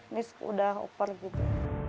ini udah upper gitu